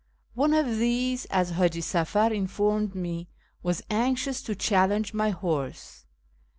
One of these, as Haji Safar informed me, was anxious to " challenge " my horse.